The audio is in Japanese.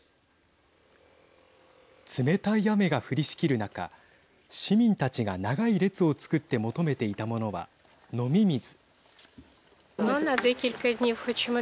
冷たい雨が降りしきる中市民たちが長い列をつくって求めていたものは飲み水。